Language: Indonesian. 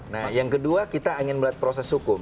nah yang kedua kita ingin melihat proses hukum